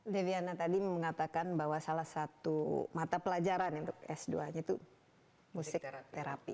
deviana tadi mengatakan bahwa salah satu mata pelajaran untuk s dua nya itu musik terapi